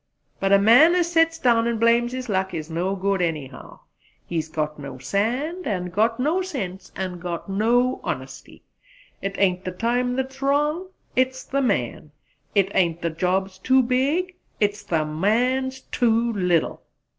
But a man as sets down and blames his luck is no good anyhow. He's got no sand, and got no sense, and got no honesty! It ain't the time's wrong: it's the man! It ain't the job's too big: it's the man's too little!"